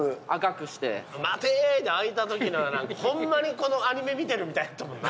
「待てーい！」で開いた時にはホンマにアニメ見てるみたいやったもんな。